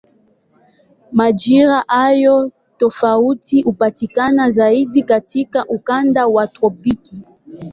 Majira hayo tofauti hupatikana zaidi katika ukanda wa tropiki.